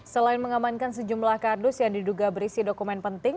selain mengamankan sejumlah kardus yang diduga berisi dokumen penting